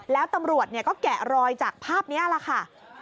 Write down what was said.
แล้วตำรวจก็แกะรอยจากภาพนี้แหละค่ะ